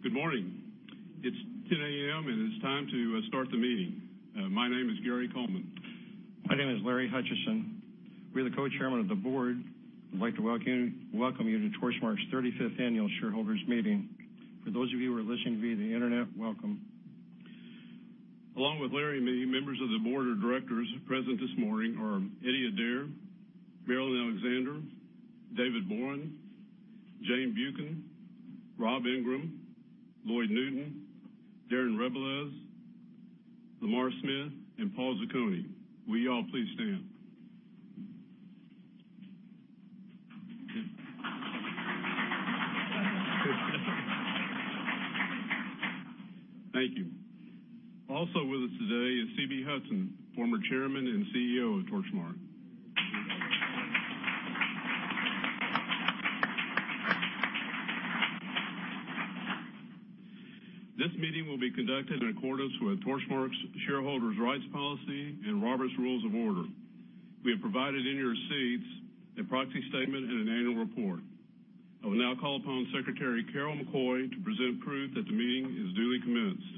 Good morning. It's 10:00 A.M., and it's time to start the meeting. My name is Gary Coleman. My name is Larry Hutchison. We're the co-chairmen of the board. We'd like to welcome you to Torchmark's 35th Annual shareholders meeting. For those of you who are listening via the internet, welcome. Along with Larry, many members of the board of directors present this morning are Eddie Adair, Marilyn Alexander, David Boren, Jane Buchan, Rob Ingram, Lloyd Newton, Darren Rebelez, Lamar Smith, and Paul Zucconi. Will you all please stand? Thank you. Also with us today is C.B. Hudson, former Chairman and CEO of Torchmark. This meeting will be conducted in accordance with Torchmark's Shareholder Rights Policy and Robert's Rules of Order. We have provided in your seats a proxy statement and an annual report. I will now call upon Secretary Carol McCoy to present proof that the meeting is duly commenced.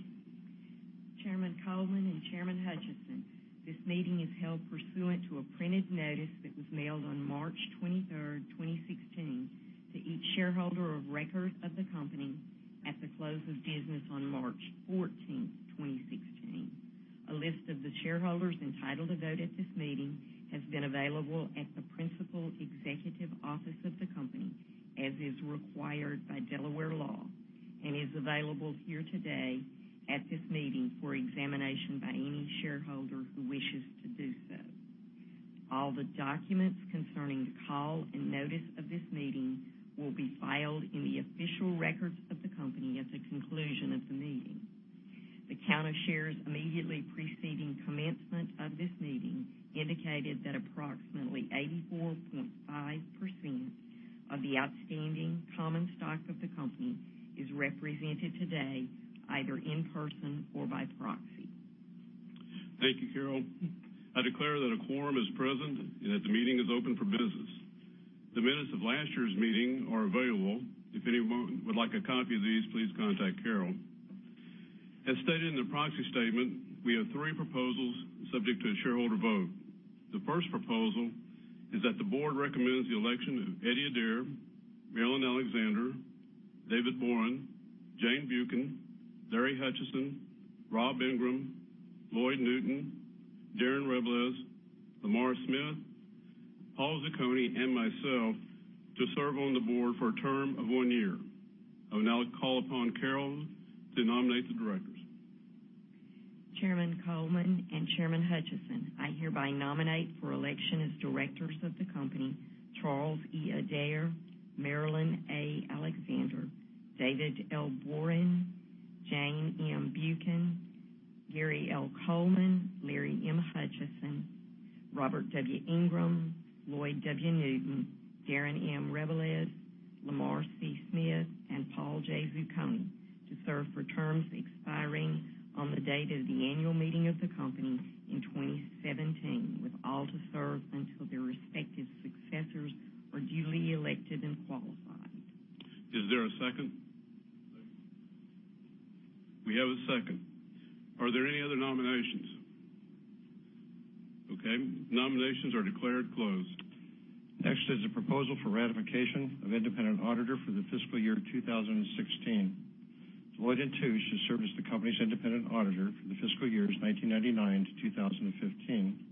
Chairman Coleman and Chairman Hutchison, this meeting is held pursuant to a printed notice that was mailed on March 23rd, 2016, to each shareholder of record of the company at the close of business on March 14th, 2016. A list of the shareholders entitled to vote at this meeting has been available at the principal executive office of the company, as is required by Delaware law and is available here today at this meeting for examination by any shareholder who wishes to do so. All the documents concerning the call and notice of this meeting will be filed in the official records of the company at the conclusion of the meeting. The count of shares immediately preceding commencement of this meeting indicated that approximately 84.5% of the outstanding common stock of the company is represented today, either in person or by proxy. Thank you, Carol. I declare that a quorum is present and that the meeting is open for business. The minutes of last year's meeting are available. If anyone would like a copy of these, please contact Carol. As stated in the proxy statement, we have three proposals subject to a shareholder vote. The first proposal is that the board recommends the election of Eddie Adair, Marilyn Alexander, David Boren, Jane Buchan, Larry Hutchison, Rob Ingram, Lloyd Newton, Darren Rebelez, Lamar Smith, Paul Zucconi, and myself to serve on the board for a term of one year. I will now call upon Carol to nominate the directors. Chairman Coleman and Chairman Hutchison, I hereby nominate for election as directors of the company, Charles E. Adair, Marilyn A. Alexander, David L. Boren, Jane M. Buchan, Gary L. Coleman, Larry M. Hutchison, Robert W. Ingram, Lloyd W. Newton, Darren M. Rebelez, Lamar C. Smith, and Paul J. Zucconi to serve for terms expiring on the date of the annual meeting of the company in 2017, with all to serve until their respective successors are duly elected and qualified. Is there a second? Second. We have a second. Are there any other nominations? Okay. Nominations are declared closed. Next is a proposal for ratification of independent auditor for the fiscal year 2016. Deloitte & Touche has served as the company's independent auditor for the fiscal years 1999 to 2015.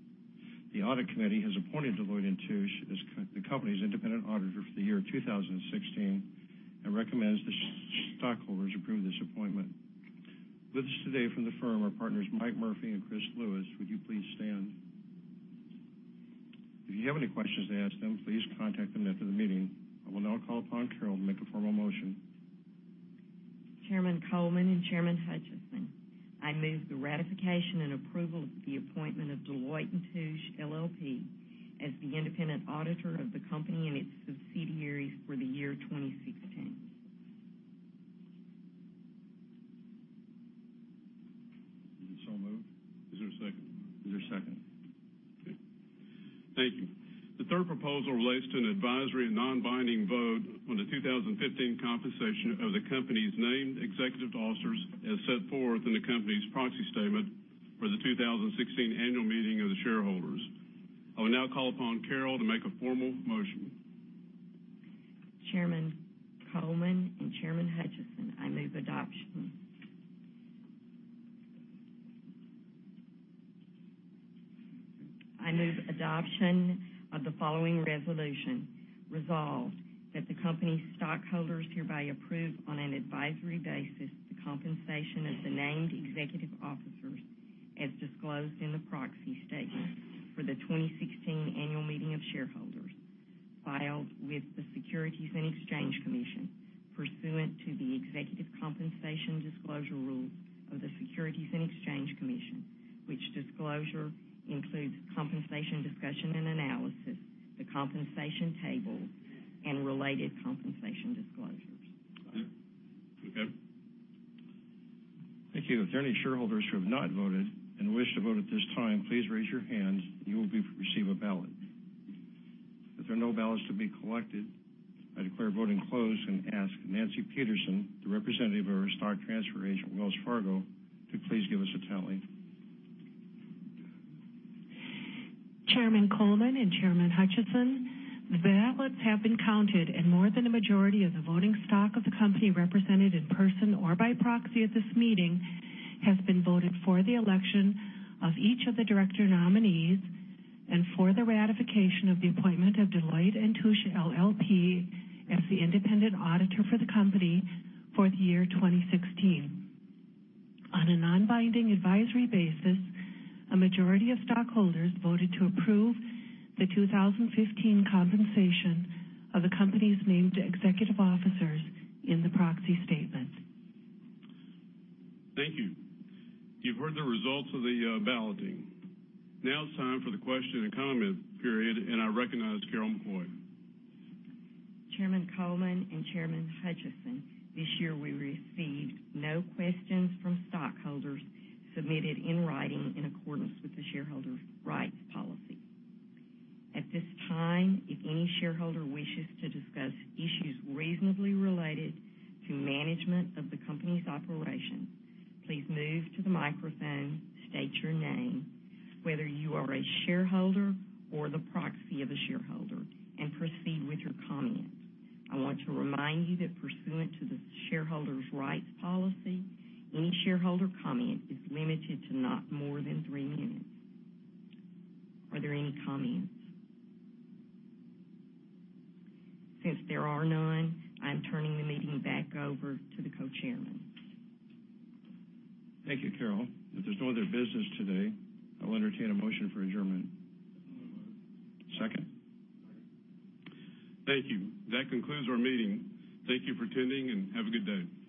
The audit committee has appointed Deloitte & Touche as the company's independent auditor for the year 2016 and recommends the stockholders approve this appointment. With us today from the firm are partners Mike Murphy and Chris Lewis. Would you please stand? If you have any questions to ask them, please contact them after the meeting. I will now call upon Carol to make a formal motion. Chairman Coleman and Chairman Hutchison, I move the ratification and approval of the appointment of Deloitte & Touche LLP as the independent auditor of the company and its subsidiaries for the year 2016. Is it so moved? Is there a second? Is there a second? Okay. Thank you. The third proposal relates to an advisory and non-binding vote on the 2015 compensation of the company's named executive officers as set forth in the company's proxy statement for the 2016 annual meeting of the shareholders. I will now call upon Carol to make a formal motion. Chairman Coleman and Chairman Hutchison, I move adoption. I move adoption of the following resolution. Resolved, that the company's stockholders hereby approve, on an advisory basis, the compensation of the named executive officers as disclosed in the proxy statement for the 2016 Annual Meeting of Shareholders, filed with the Securities and Exchange Commission, pursuant to the executive compensation disclosure rules of the Securities and Exchange Commission, which disclosure includes compensation discussion and analysis, the compensation table, and related compensation disclosures. Okay. Thank you. If there are any shareholders who have not voted and wish to vote at this time, please raise your hand, and you will receive a ballot. If there are no ballots to be collected, I declare voting closed and ask Nancy Peterson, the representative of our stock transfer agent, Wells Fargo, to please give us a tally. Chairman Coleman and Chairman Hutchison, the ballots have been counted, more than a majority of the voting stock of the company represented in person or by proxy at this meeting has been voted for the election of each of the director nominees and for the ratification of the appointment of Deloitte & Touche LLP as the independent auditor for the company for the year 2016. On a non-binding advisory basis, a majority of stockholders voted to approve the 2015 compensation of the company's named executive officers in the proxy statement. Thank you. You've heard the results of the balloting. Now it's time for the question and comment period, I recognize Carol McCoy. Chairman Coleman and Chairman Hutchison, this year we received no questions from stockholders submitted in writing in accordance with the Shareholder Rights Policy. At this time, if any shareholder wishes to discuss issues reasonably related to management of the company's operations, please move to the microphone, state your name, whether you are a shareholder or the proxy of a shareholder, proceed with your comments. I want to remind you that pursuant to the Shareholder Rights Policy, any shareholder comment is limited to not more than three minutes. Are there any comments? Since there are none, I'm turning the meeting back over to the co-chairmen. Thank you, Carol. If there's no other business today, I'll entertain a motion for adjournment. Moved. Second? Second. Thank you. That concludes our meeting. Thank you for attending, and have a good day.